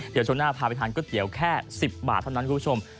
เดี๋ยวช่วงหน้าพาไปทานก๋วยเตี๋ยวแค่๑๐บาทเท่านั้นคุณผู้ชม